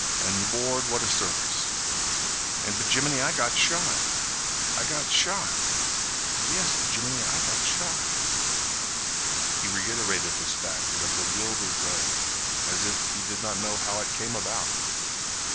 "An', Lord, what a circus! An', b'jiminey, I got shot—I got shot. Yes, b'jiminey, I got shot." He reiterated this fact in a bewildered way, as if he did not know how it came about.